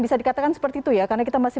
bisa dikatakan seperti itu ya karena kita masih